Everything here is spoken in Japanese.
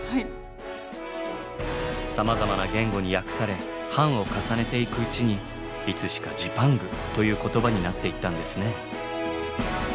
さまざまな言語に訳され版を重ねていくうちにいつしかジパングという言葉になっていったんですね。